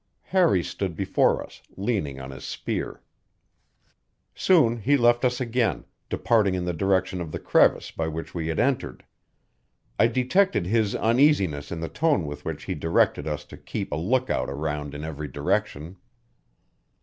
Harry stood before us, leaning on his spear. Soon he left us again, departing in the direction of the crevice by which we had entered; I detected his uneasiness in the tone with which he directed us to keep a lookout around in every direction.